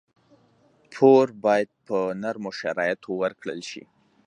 پور باید په نرمو شرایطو ورکړل شي.